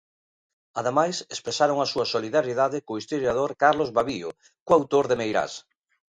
Ademais, expresaron a súa solidariedade co historiador Carlos Babío, coautor de Meirás.